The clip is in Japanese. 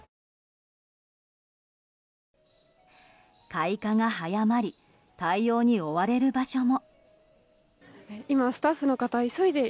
開花が早まり対応に追われる場所も。